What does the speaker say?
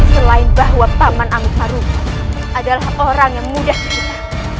selain bahwa paman amuk maruguh adalah orang yang mudah terhita